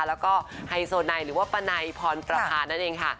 แล้วก็ไฮโซไนหรือว่าปะไนพรประพานั่นเองค่ะ